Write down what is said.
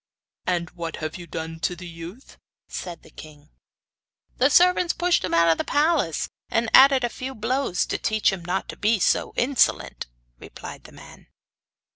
'And what have you done to the youth?' said the king. 'The servants pushed him out of the palace, and, added a few blows to teach him not to be insolent,' replied the man.